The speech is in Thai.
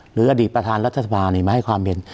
หรืออดีตประธานรัฐสภามาให้ความเห็น